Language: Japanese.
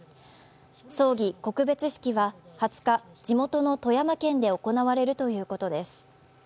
葬儀・告別式は２０日、地元の富山県で行われるということです。